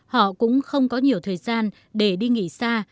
họ cũng không có nhiều thời gian để đi nghỉ xa